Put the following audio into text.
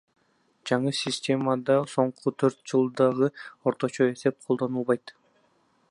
Жаңы системада соңку төрт жылдагы орточо эсеп колдонулбайт.